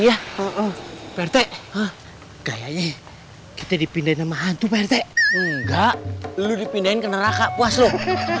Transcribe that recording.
ya perte kayaknya kita dipindahin nama hantu perte enggak lu dipindahin ke neraka puas loh